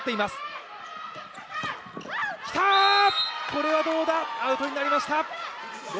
これはアウトになりました。